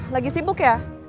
lagi sibuk ya